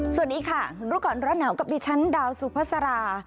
สวัสดีค่ะรู้ก่อนร้อนหนาวกับดิฉันดาวสุภาษา